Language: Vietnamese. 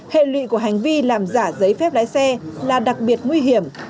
hệ lụy của hành vi làm giả giấy phép lái xe là đặc biệt nguy hiểm